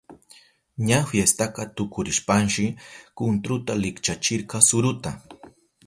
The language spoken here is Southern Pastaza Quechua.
Ña fiestaka tukurishpanshi kuntruka likchachirka suruta.